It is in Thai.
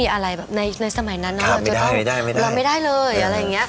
ว่าไหนก็ถามคุณนะคุณเยี่ยมด้วยมึง